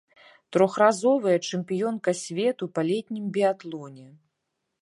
Трохразовая чэмпіёнка свету па летнім біятлоне.